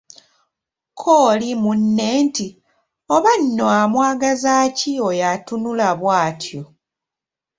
Kko oli munne nti, Oba nno amwagaza ki oyo atunula bw’atyo?